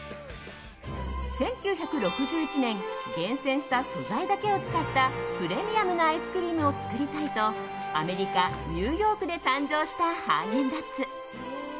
１９６１年厳選した素材だけを使ったプレミアムなアイスクリームを作りたいとアメリカ・ニューヨークで誕生したハーゲンダッツ。